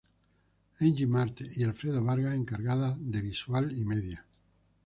Angie Marte Y Alfredo Vargas encargada de visual y media.